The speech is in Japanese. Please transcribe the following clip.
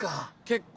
結構。